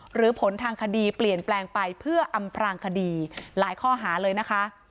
หรือผลทางคดีเปลี่ยนแปลงไปเพื่ออำพรางคดีหลายข้อหาเลยนะคะ